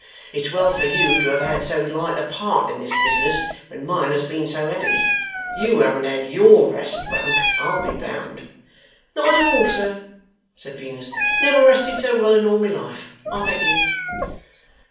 It's well for you to have had so light a part in this business, when mine has been so heavy. You haven't had YOUR rest broke, I'll be bound.' 'Not at all, sir,' said Venus. 'Never rested so well in all my life, I thank you.